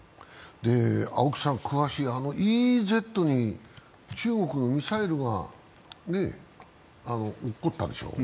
青木さん、詳しい、ＥＥＺに中国に、ミサイルが落っこったでしょう。